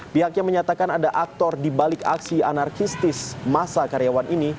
pihaknya menyatakan ada aktor dibalik aksi anarkistis masa karyawan ini